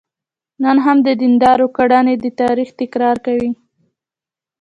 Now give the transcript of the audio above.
نن هم د دیندارانو کړنې د تاریخ تکرار کوي.